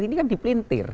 ini kan dipelintir